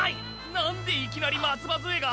何でいきなり松葉づえが？」